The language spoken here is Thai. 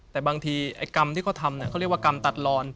แต่บางทีไอ้กรรมที่เขาทำเขาเรียกว่ากรรมตัดลอน